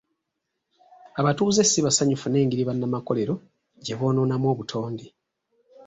Abatuuze si basanyufu n'engeri bannamakolero gye boonoonamu obutonde.